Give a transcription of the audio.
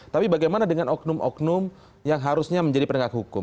tapi bagaimana dengan oknum oknum yang harusnya menjadi penegak hukum